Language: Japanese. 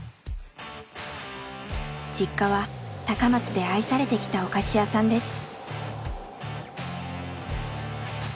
実家は高松で愛されてきたお菓子屋さんです。